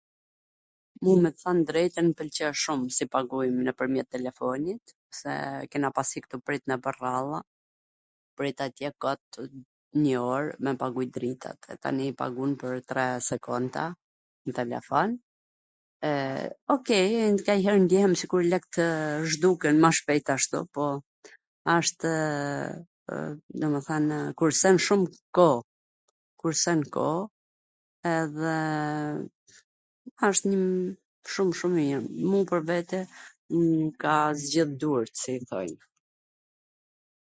Mu me than drejtwn mw pwlqen shum si paguj nwpwrmjet telefonit, kena pas hik tu prit nwpwr radha, prit atje kot njw or me pagu uj, dritat, e tani i pagun pwr tre sekonda n telefon, e Okej nganjher ndjehem sikur lektw zhduken ma shpejt ashtu por ashtwww, domethan kursen shum koh, kursen koh edhe asht shum shum mir. Mu pwr vete m ka zgjidh durt si i thojn.